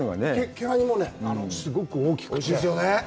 毛ガニもね、すごく大きくて。